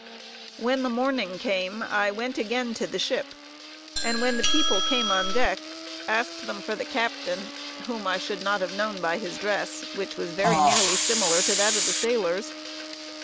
When the morning came, I went again to the ship, and when the people came on deck, asked them for the captain, whom I should not have known by his dress, which was very nearly similar to that of the sailors.